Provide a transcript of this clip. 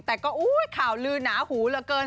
แต่ก็ข่าวลือหนาหูเหลือเกิน